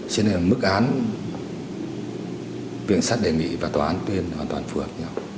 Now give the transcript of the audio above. cho nên mức án viện sắt đề nghị và tòa án tuyên hoàn toàn phù hợp nhau